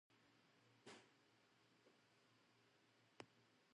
大きな建物のこと。豪壮な建物のこと。